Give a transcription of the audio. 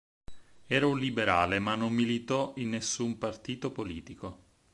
Era un liberale ma non militò in nessun partito politico.